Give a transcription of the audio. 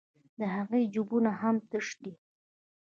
د هغې جېبونه هم تش دي